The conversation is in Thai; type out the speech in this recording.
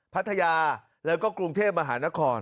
พัทยาแล้วก็กรุงเทพมหานคร